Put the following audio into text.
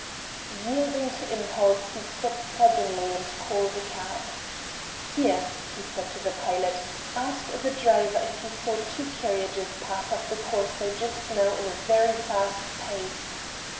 Yielding to impulse he stopped suddenly and called a cab. "Here!" he said to the pilot, "ask the driver if he saw two carriages pass up the Corso just now at a very fast pace?